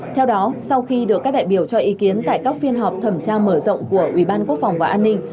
theo đó sau khi được các đại biểu cho ý kiến tại các phiên họp thẩm tra mở rộng của ủy ban quốc phòng và an ninh